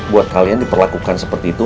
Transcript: buat kalian diperlakukan seperti itu